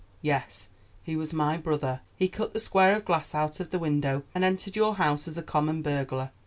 Yes, he was my brother. He cut the square of glass out of the window, and entered your house as a common burglar.